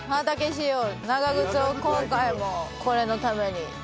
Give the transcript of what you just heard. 長靴を今回もこれのために。